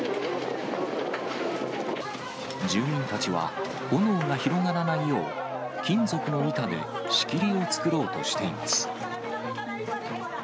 住民たちは炎が広がらないよう、金属の板で仕切りを作ろうとしています。